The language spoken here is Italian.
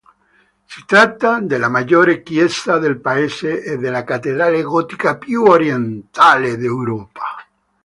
Si tratta della maggiore chiesa del paese e della cattedrale gotica più orientale d'Europa.